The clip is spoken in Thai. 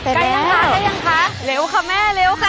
ถ่ายกันคะเร็วค่ะแม่เร็วค่ะ